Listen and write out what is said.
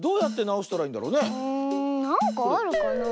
なんかあるかなあ？